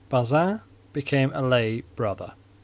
Bazin became a lay brother.